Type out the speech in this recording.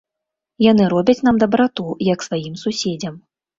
Яны робяць нам дабрату, як сваім суседзям.